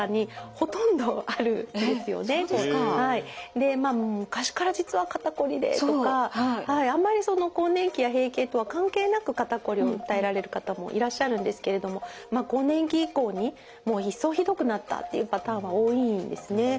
でまあ昔から実は肩こりでとかあんまり更年期や閉経とは関係なく肩こりを訴えられる方もいらっしゃるんですけれども更年期以降に一層ひどくなったっていうパターンは多いんですね。